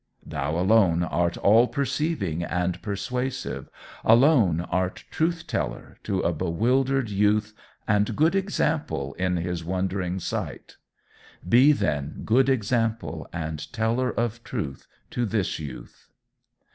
Thou alone art all perceiving and persuasive, alone art Truth Teller to a bewildered youth and Good Example in his wondering sight: be then Good Example and Teller of Truth to this youth.